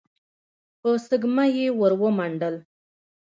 په سږمه يې ور ومنډل.